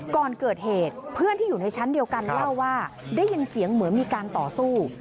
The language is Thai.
ก่อนเกิดเหตุเพื่อนที่อยู่ในชั้นเดียวกันเล่าว่าได้ยินเสียงเหมือนมีการต่อสู้